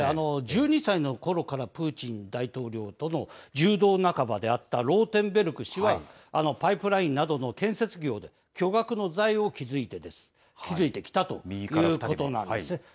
１２歳のころからプーチン大統領との柔道仲間であったローテンベルク氏は、パイプラインなどの建設業で巨額の財を築いてきたということなんですね。